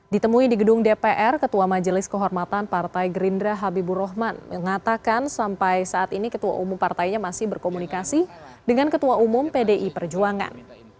ditemui di gedung dpr ketua majelis kehormatan partai gerindra habibur rahman mengatakan sampai saat ini ketua umum partainya masih berkomunikasi dengan ketua umum pdi perjuangan